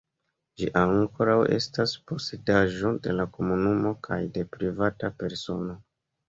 Ĝi ankoraŭ estas posedaĵo de la komunumo kaj de privata persono.